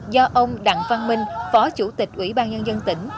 do ông đặng văn minh phó chủ tịch ủy ban nhân dân tỉnh